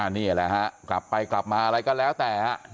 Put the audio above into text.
นี่แหละฮะกลับไปกลับมาอะไรก็แล้วแต่